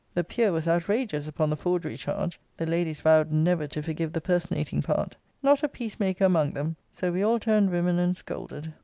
The Peer was outrageous upon the forgery charge. The Ladies vowed never to forgive the personating part. Not a peace maker among them. So we all turned women, and scolded.